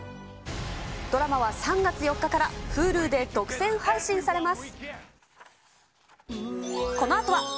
ドラマは３月４日からＨｕｌｕで独占配信されます。